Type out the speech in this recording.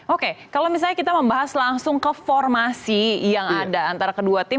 oke kalau misalnya kita membahas langsung ke formasi yang ada antara kedua tim